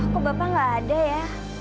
kok bapak nggak ada ya